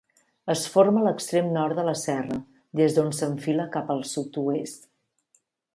Es forma a l'extrem nord de la Serra, des d'on s'enfila cap al sud-oest.